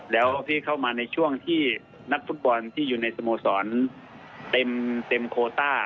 แล้วที่เข้ามาในช่วงที่นักฟุตบอลที่อยู่ในสโมสรเต็มโคต้า